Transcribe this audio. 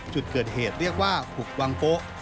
จุดเกิดเหตุเรียกว่าหุบวังโป๊ะ